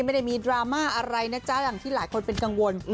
ไม่ได้มีดราม่าอะไรนะจ๊ะอย่างที่หลายคนเป็นกังวล